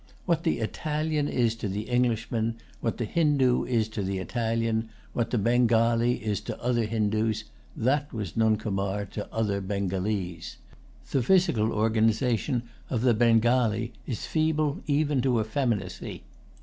What the Italian is to the Englishman, what the Hindoo is to the Italian, what the Bengalee is to other Hindoos, that was Nuncomar to other Bengalese. The physical organization of the Bengalee is feeble even to effeminacy.